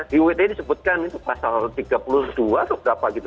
di wt disebutkan itu pasal tiga puluh dua atau berapa gitu